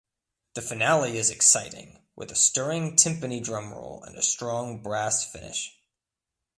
The finale is exciting, with a stirring timpani drumroll and a strong brass flourish.